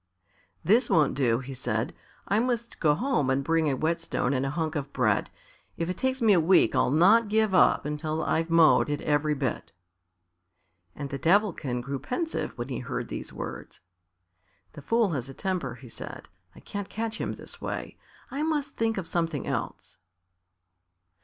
"This won't do," he said; "I must go home and bring a whetstone and a hunk of bread. If it takes me a week I'll not give up until I've mowed it every bit." And the Devilkin grew pensive when he heard these words. "The Fool has a temper," he said; "I can't catch him this way; I must think of something else."